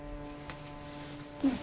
うん。